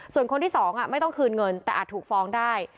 ส่วนคนที่๒ไม่ต้องคืนเงินแต่อาจถูกฟ้องได้